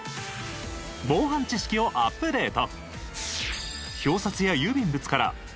防犯知識をアップデート。